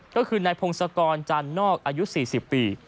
ก็คือนายพงศกรจานนอกอายุ๔๐ปี